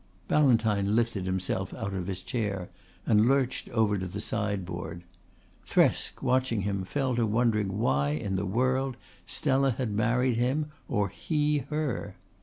Ballantyne lifted himself out of his chair and lurched over to the sideboard. Thresk, watching him, fell to wondering why in the world Stella had married him or he her.